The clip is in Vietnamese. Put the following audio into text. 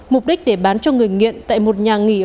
mục đích để bán cho người nghiện tại một nhà nghỉ